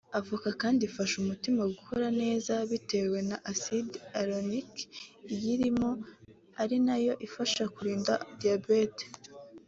Avoka kandi ifasha umutima gukora neza bitewe na acide olerique iyirimo ari nayo ifasha kurinda diabete